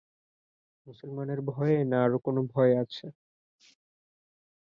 মুসলমানের ভয়ে, না আরো কোনো ভয় আছে?